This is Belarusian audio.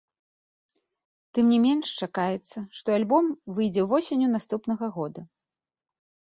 Тым не менш чакаецца, што альбом выйдзе восенню наступнага года.